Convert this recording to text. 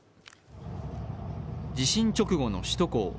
地震直後の首都高。